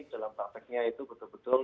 dalam prakteknya itu betul betul